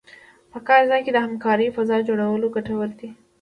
په کار ځای کې د همکارۍ فضا جوړول ګټور دي.